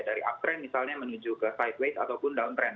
dari uptrend misalnya menuju ke sideways ataupun downtrend